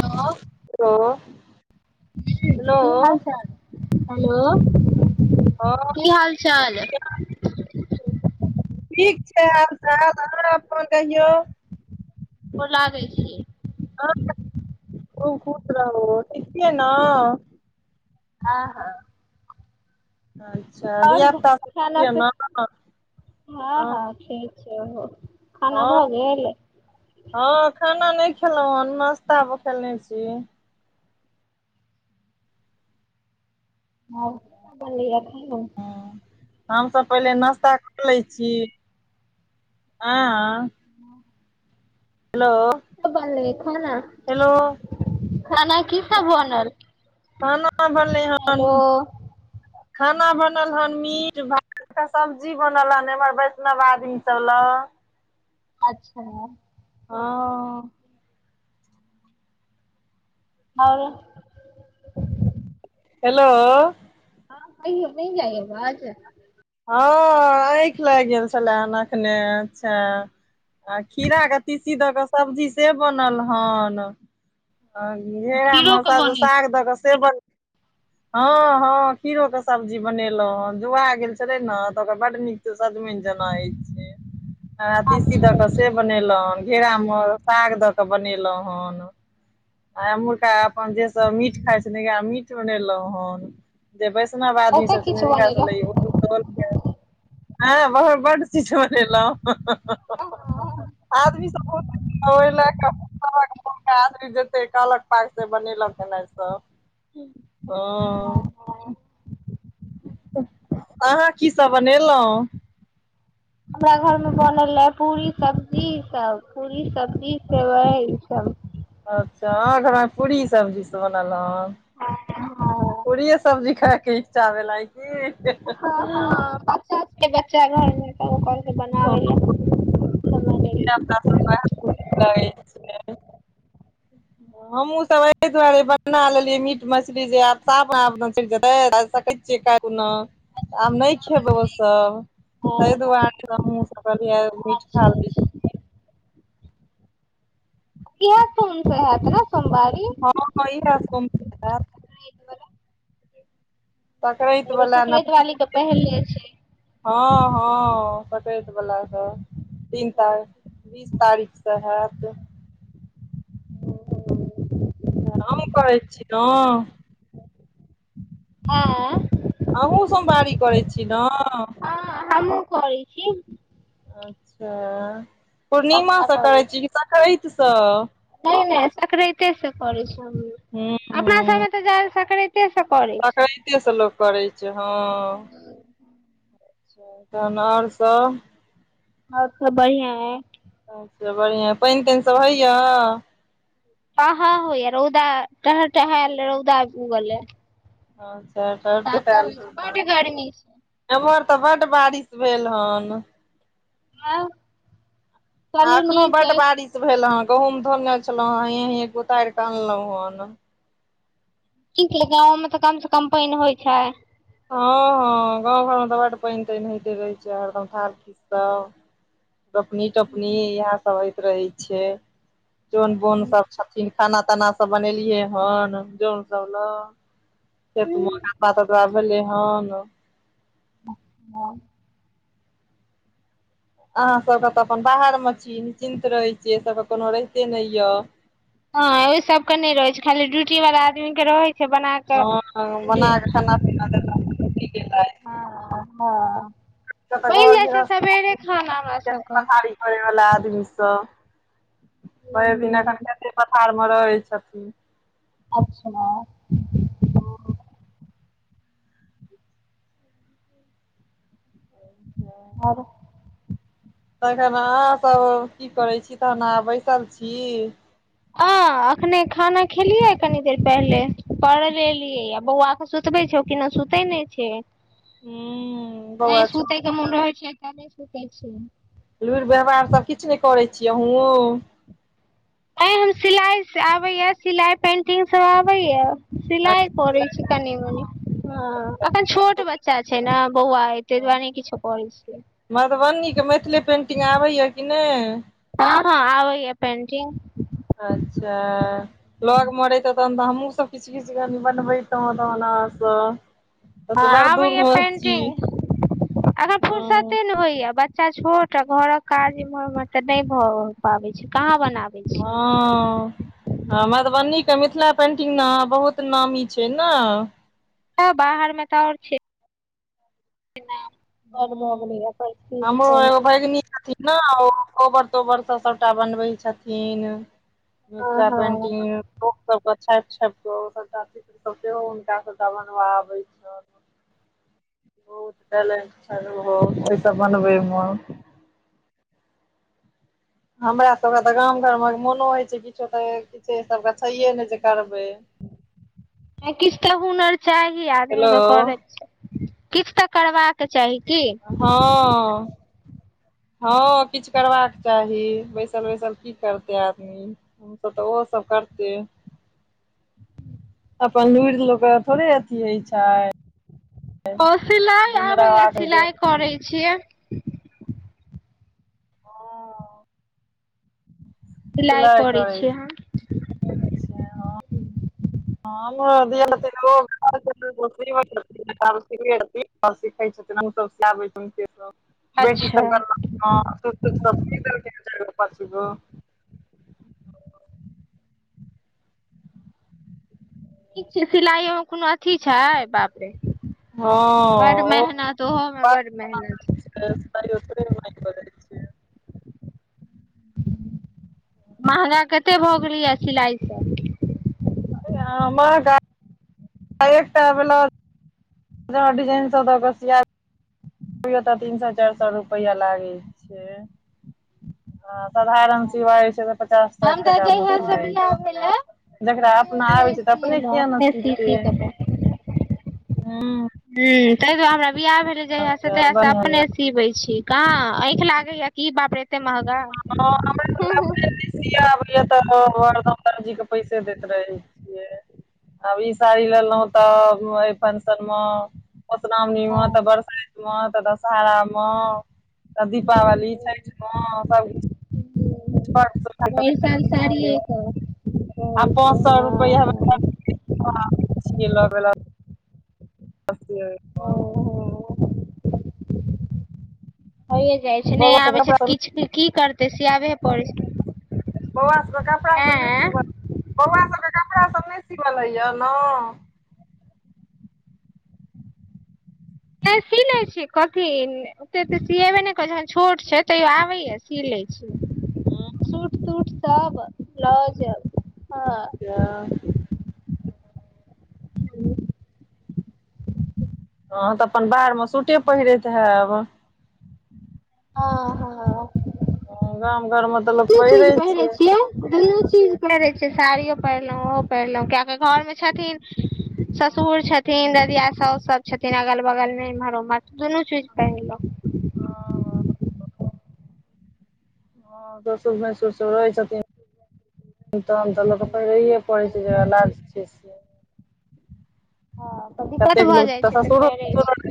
Hello hello [inaudible] की hello की हाल चाल हेलो हँ की हाल चाल [inaudible] ठीक छै और सब और अपन कहियौ [unintelligible] [unintelligible] खुब खुश रहु ठिक छियै न हँ हँ अच्छा धिया पुता सब ठीक या न हऽ ह ठीक छै ओहो खाना भऽगेल हऽ खाना नै खेलौ हन नाश्ता केने छीय [unintelligible] [unintelligible] हम सब पहिले नास्ता कऽ लै छी [inaudible] आ [unintelligible] हेलो की सब बनलै खाना हेलो [inaudible] खाना की सब बनल खाना बनलै हन हेलो [inaudible] खाना बनल हन मीट भात एकटा सब्जी बनल है एमहर वैष्णव आदमी सब लऽ अच्छ हँ और हेलो ह कहियौ नै जाए यऽ अबाज हऽ अैख लैग गेल छलै एखने अच्छा आ खीरा केँ तीसी दऽ कऽ सब्जी से बनल हन हऽ घेरा खीरो में के साइद बनै साग दऽ कऽ से बनल हँ हँ खीरो कऽ सब्जी बनेलौ हन जुआ गेल छेलै न तऽ ओकर बड्ड नीक सजमैन जेना होइ छै हँ छै तीसी अच्छा दऽ क से बनेलौ घेरा महक साग दऽ के बनेलौं हन आ एम्हुरका अपन जे सब मीट खाइ छै तेकरा लै मीट बनेलौं हन जे वैष्णव आदमी बहुते सब छथिन किछु हिनका बनेल सब लै ओकै ओल के [unintelligible] बहुत बड्ड चीज बनेलौं आदमी सब ओह लए क ज [unintelligible] कहलक पायसँ बनेलक सब हंँ आहाँ की सब बनेलौं हमरा घर मे बनल ए पूरी सब्जी ई सब पूरी सब्जी सेवई ई सब अच्छा आहाँ घर मे पूरी सब्जी सब बनल हन हँ पूरीए सब्जी खाय के इच्छा भेल आय की हँ हँ बच्चा के बच्चा घर मे तऽ ओ कहलकै हँ, बनाबेै लए धिया पुता सब केऽ कुऽ करैय छै [inaudible] हमहुँ सब अहि दुआरे बना लेलियै मीट मछली जे आब सावन चैल जेतै [unintelligible] कोनो आब नय खेबै ओ सब हँ तै दुआरे हमहुँ सब कहलियै आय मीठ अच्छा खा ली अच्छा इएह सोम सँ हैत न सोमवारी। हँ इहे सोम सँ हैत। संक्रांति वाला। सकरैंत एहि बेर वला नय संक्रांति पकरा वाली के जाय पहिले छै हँ हँ सकरैंत बला कऽ तीन तारिक बीस तारीख सँ हैत तऽ हम कहै छी ने। आँ अहूँ सोमवारी करै छी ने। हँ हमहुँ करै छी। अच्छा सबटा पूर्णिमासँ करै छी कि सक्रतिसँ। नय नय सक्रांते से करै छी हमहुँ हूँ अपना हूँ सबमे तऽ जा सक्रांते। सँ करै छै सक्रांतेसे लोक करै छै हँ तहन आओर सब। आओर सब बढ़ियाँ अय। अच्छा बढ़ियाँ अय पानि तानि सब होइय। काहाँ होइये रौदा टह टहेल रौदा उगल ये। हँ सेह टह टहैल रौदा बड गर्मी छै एम्हर तऽ बड्ड बारिश भेल हन। आउ आ चलू एखनो नीक बड्ड अय बारिश। भेल हन गेहूँम धोने छलौं हँ हेंय हेंय उतारिकऽ अनलौं हेन। ठीक छै ने गाँंव मे तऽ कम से कम पानि होइ छै। हँयहँ गाँंव घर मे तऽ बड्ड पानि तानि होइते रहै छै हरदम थाल खींच सब। रोपनी टोपनी इहे सब होइत रहै छै जोन बोन सब। छथिन खाना ताना सब बनेलियै हन जौन सब ल। खेत मे हँ रोपता [unintelligible] तपरा भेलै हन। हँ। अहाँ सबके तऽ अपन बाहर मे छी निश्चिन्त रहै छी अइ सबके कोनो रहिते नय य। हँ ओ सब के नय रहै छै खाली ड्यूटी वला आदमी के रहै छै बना कऽ हँ जी बनाकऽ खाना पीना देलक डयूटी गेलथि हँ हँ बनि घर जाइ छै सबेरे खाना हमरा सबकऽ परै वाला आदमी सब भरि दिन अखन हूँ खेती पथा र मे रहै छथिन आओर सुनाउ [inaudible] [unintelligible] तखन अहाँ सब की करै छी तहन आहां बैसल छी ह अखने खाना खेलियै कनी देर पहिले पढ़ोई ले एलियै बौआ सुतबै छलखिन हे सुते नय छै हूँ बौआ नय छोट सुतय के मुन रहै छै तऽ नय सुतयि छै लुरि व्यवहार सभ किछु नय करै छीयै अहुँ आँइ हम सिलाई आबैए सिलाई पेन्टिंग सब आबैए सिलाई करै छी कनी मनी हँ एखन छोट बच्चा छै ने बौआ ताहि दुआरे किछो नय करै छियै मधबनी के मिथली पेन्टिंग आबयि कि नय हँ हँ आबैए पेंटिंग अच्छा लग म रहितौ तहन तऽ हमहूँ सब किछ किछ कनी बनबैतो आहा स हँ आबै य पेंटिंग अखन हँ फुरसते नय होइया बच्चा छोट एकटा घरक काज एम्हर उम्हर त नय भ पाबे छै कहाँ बनाब हँ ऽ हँ मधबनी के मिथिला पेंटिंग नेश बहुत नामी छै न ह बाहर मे तऽ आओर छै बढ़ भ हँ गेलैया परिस्थिति हमरो एगो पेंटिंग। भगिनी छथिन ने ओ कोबर तोबर स सभटा बनबै छथिन हँ मिथिला हँ पेंटिंग लोक सब के छापि छापि कऽ सबच सब सेहो हुनका सबटा बनवा आबै छनि बहुत टैलेंट छनि ओहो ओई सब मनबै मे हमरा सबके तऽ गाम घरमे मोनो होइ छै किछो तऽ कि छै सबके छहिये नय जे करबै किछ तऽ हुनर चाही आदमी हेलो के करै छै किछ तऽ करबाक चाही की हँ हँ किछ करबाक चाही बसिल बसिल की करतै आदमी हूं सेतऽ ओहो सब करतै अपन लुइर लोक के थोड़े अथी होय छै ओ सिलाइ गुण आबैया रहबाक हँ सिलाइ करै छी सिलाइ करै छियै हम ह [unintelligible] दारू सिगरेट सीखै छथिन हमहुं सब सियाबै छी हुनके सं अच्छा बेटी सब [unintelligible] चाइरगो पाँचगो ठीक छै सिलाइयो मे कोनो अथी छै बाप रे बड हँ मेहनत ओहो मे बड़ मेहनत सार ओ महँगा कते भऽ गेलैय या सिलाइसब आ महगाई एकटा ब्लाउज डिजाइन [inaudible] स द क सिया अभयो तऽ तीन सए चार सए रुपया लागै छै हां साधारण सिवाय छै त पचास साइठ हम तऽ टका म जहिया सी से दै बियाह छियै भेलै जकरा तहियो अपना आबै नहि छै तऽ अपने सिएलहुँ कियाए ने सी सीते सी कऽ हूँ ह ताइदुआरे हमरा बियाह भेलै जहियास से अच्छा तहियासँ बढ़िआँ यऽ अपने सिबै छी कहाँ आँइख लागैया की बाप रे एते महगा वियाह भेले तऽ हरदम दर्जी के पैसे दैत रहे छियै अब ई साड़ी लेलहुँ तऽ एहि फंक्शन म मघुश्रामणि म त बरसाइत म तऽ दशहारा म तऽ दीपावली छैठ भरि म सभ वही साल छियै साड़ीये क आ पाँच सौ रुपया लबैला [inaudible] [inaudible] होइए जाइ छै नय बौआ सभके आबै छै कपड़ा तऽ सब किछ की करतै सियाबेे पड़ै छै न बौआ सभके कपड़ा सभ नय सिबल बौआ सभके कपड़ा सभ नय सीवल होइया न [inaudible] छी कथी ओते ओते सियबे ने करै छोट छै तैयो आबेया सीलै हँ सूट तूट सब ब्लाउज अच्छा [inaudible] हँ तऽ अपन बाहर मे सूटे पहिरैत हैब हँ हँ हँ गाम घरमे की चीज पहिरै छै कि यो दुनू चीज पहिरै छै साड़ियो पहिरलो ओहो पहिरलो कियक घर मे छथिन हँ ससुर छथिन ददिया सौस सब छथिन अगल बगल मे इम्हरओम्हर त दुनू चीज पहिरलौं हँ हँ हँ ससुर भैसुर सब रहै छथिन तहन तऽ लोक के पैहरए पड़ै छै जेकरा लाज छै से [inaudible] हँ तऽ दिक्कत कतेक भऽ लोक जाइ छै तऽ ससुरो फेरै छै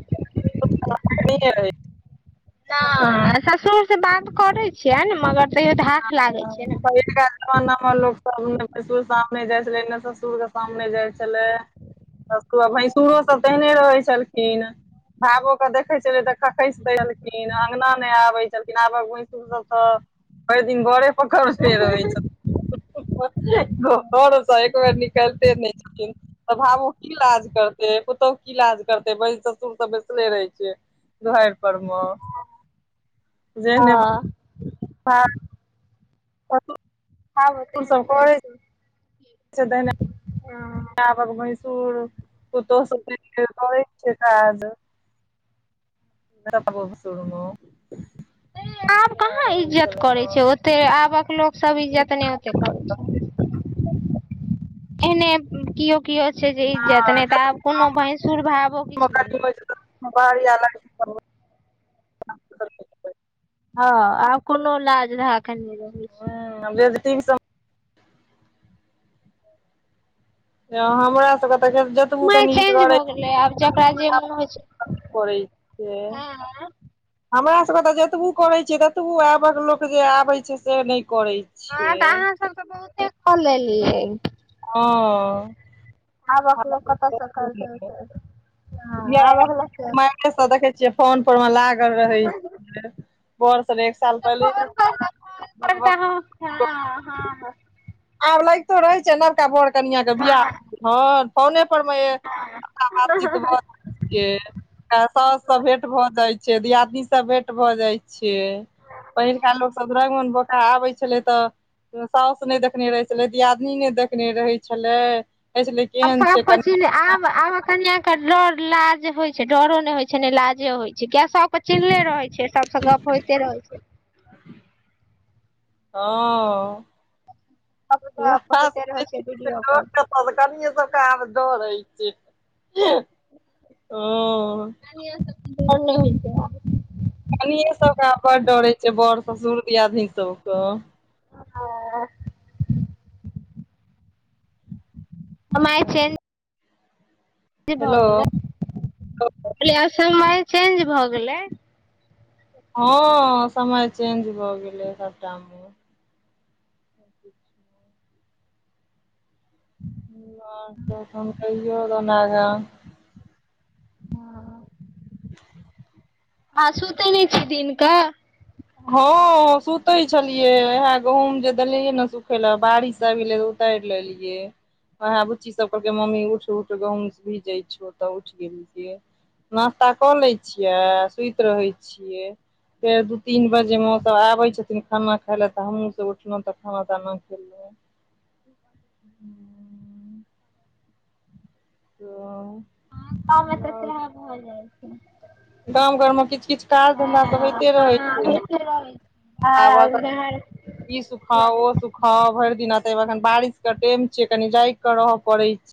ससुर से बात करै छियै ने मगर तैयो धख लागै छै न [inaudible] [inaudible] जमाना मे लोक सब ने पसुर के सामने जाइ छले ने ससुर के सामने जाइ छले स सब भैंसुरो सब तेहने रहै छलखिन भाबो के देखै छलै तऽ खखेस द एलखिन अगना नय आबै छथिन आबक भयसुर सब तऽ भेर दिन घरे पकड़े रहै छथिन [inaudible] तऽ भाबो की लाज करते पुतोहु की लाज करते ब ससुर तऽ बैसले रहै छै दुहैर पर म हँ [inaudible] [inaudible] सब करै [inaudible] [inaudible] हँ आबक भैसूर पुतौह [unintelligible] तप पप सुड़म [unintelligible] आब कहाँ इज्जत करै छै ओ ते आबक लोक सब इज्जत नहि ओते करै छै एने किओ किओ छै जे इज्जत नहि तऽ आब बाहरी कोनो भैंसुर भावो किछ [unintelligible] [unintelligible] हँ आब कोनो लाज राखन नहि रहै छै ह [unintelligible] य हमरा सबक समय चेंज भऽ गेलै आब जकरा जे मोन होइ छै [unintelligible] कते [unintelligible] आँय हमरा सभके तऽ जतबो करै छियै ततबो आबक लोक जे आबै छै से नहि करैत हँ तऽ अहाँ सब तऽ बहुते क लेलियै आबकल लोक कतस करते एते छै जे [unintelligible] एते स देखे छियै फोन पर मे लागल रहै छै बोर सब एक साल पहिले फोन पर से फोन पर से बबान हँ हँ [unintelligible] हँ आब लगितो रहै छै नबका बोर कनिय के बियाह हर फोने पर मे अपना बातचीत ब के सउससँ भेंट भऽ जाइ छै दियादनीसँ भेंट भऽ जाइ छिय पहिलका लोकसभ दुरागमन बोखा आबै छलै तऽ सासु नहि देखने रहै छलै दियादनी नहि देखने रहै छलै कहै छलै आब [unintelligible] केहन छै कनिया स आब आब कनि डरो लाज होइ छै डरो नै होइ छै ने लाजे होइ छै किया सब चिलले रहै छै सबस गप होइते रहै छै हँ सब गप [unintelligible] होइते रहै छै वीडियो कॉल सोलकनि सब के आब डड़ हए छै हँ पानि सब ब नहि होइ छै [unintelligible] कनिये सबके आ बड़ डर हए छै बड़ ससुर दियादनी सबके अमाय छै भऽ हेलो गेलै कलिय असय मे आई चेन्ज भऽ गेलै हँ समय चेंज भऽ गेलै सबटामे [inaudible] ब तन कह [unintelligible] जनाग [unintelligible] हँ आहाँ सुतै नै छीयै दिनक हँ सुतै छलियै इह गहुंम जे देने रहियै न सुखय लए बारिश आब गेले तइ लेलियै वह बुच्ची सब कहलकै मम्मी उठ उठ गहूंम भीजय छौ तऽ उठि गेलीे नास्ता कऽ लै छियै सुति रहै छियै फेर दू तीन बजे मे ओ सब आबैे छथिन खाना खाय लेए तऽ हमु सब उठलौ तऽ खाना ताना खेलौं हू तऽ तमे तऽ सह भऽ जाइ छै। गाम घोर में किछु किछु काज धन्धा सभ हँ होइते रहैत हँ छै। ने होइते रहै आब ई सुखा छै आ ओ सुख खा भरि दिन एते एखन बारिश के टाेम छै। कनि जाग के रहय पड़े छै।